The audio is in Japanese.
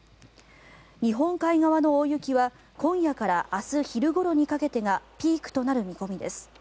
日本海側の大雪は今夜から明日昼ごろにかけてがピークとなる見込みです。